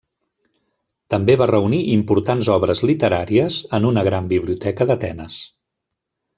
També va reunir importants obres literàries en una gran biblioteca d'Atenes.